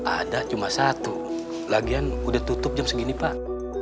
ada cuma satu lagian udah tutup jam segini pak